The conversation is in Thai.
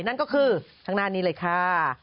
นั่นก็คือข้างหน้านี้เลยค่ะ